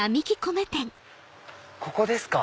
ここですか？